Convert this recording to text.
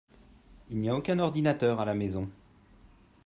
Il n'y a aucun ordinateur à la maison.